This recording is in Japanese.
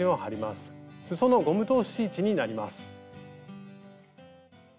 すそのゴム通し位置になります。